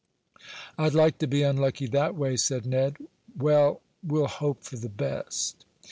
"I'd like to be unlucky that way," said Ned. "Well, we'll hope for the best."